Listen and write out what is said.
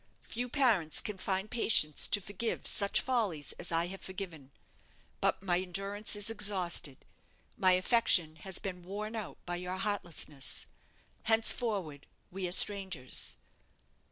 Few parents can find patience to forgive such follies as I have forgiven. But my endurance is exhausted; my affection has been worn out by your heartlessness: henceforward we are strangers."